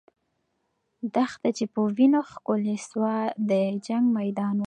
دښته چې په وینو ښکلې سوه، د جنګ میدان وو.